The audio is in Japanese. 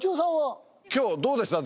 今日どうでした？